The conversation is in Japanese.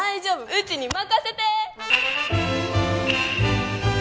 うちに任せて！